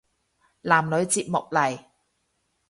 男女節目嚟